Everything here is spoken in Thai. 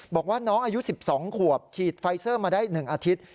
บอกว่าน้องอายุ๑๒ขวบฉีดไฟเซอร์มาได้๑อาทิตย์